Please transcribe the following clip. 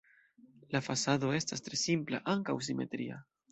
La fasado estas tre simpla, ankaŭ simetria.